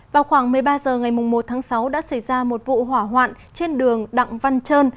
vào khoảng một mươi ba h ngày một tháng sáu đã xảy ra một vụ hỏa hoạn trên đường đặng văn trơn